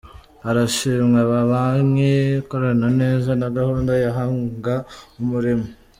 Harashimwa Amabanki akorana neza na Gahunda ya Hanga Umurimo